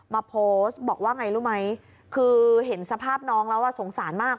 มาโพสต์บอกว่าไงรู้ไหมคือเห็นสภาพน้องแล้วสงสารมาก